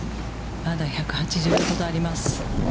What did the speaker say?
まだ１８０ヤードほどあります。